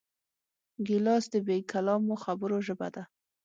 ګیلاس د بېکلامو خبرو ژبه ده.